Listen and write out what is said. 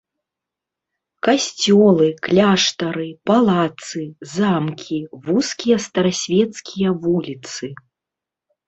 Касцёлы, кляштары, палацы, замкі, вузкія старасвецкія вуліцы.